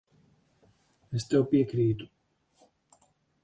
Es tev piekrītu.